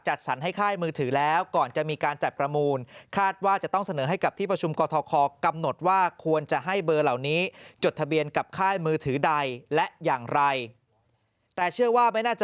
หลังจากจัดสรรให้ค่ายมือถือแล้ว